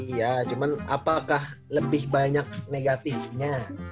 iya cuman apakah lebih banyak negatifnya